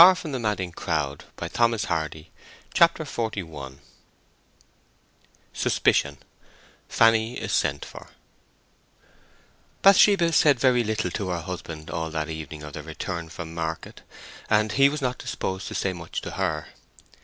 Thus they entered the house and disappeared. CHAPTER XLI SUSPICION—FANNY IS SENT FOR Bathsheba said very little to her husband all that evening of their return from market, and he was not disposed to say much to her.